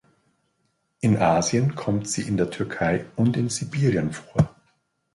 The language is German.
In Asien kommt sie in der Türkei und in Sibirien vor.